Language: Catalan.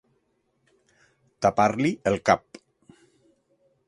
Tapar-li el cap.